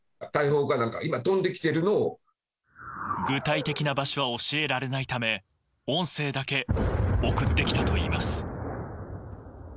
具体的な場所は教えられないため音声だけ送ってきたといいます。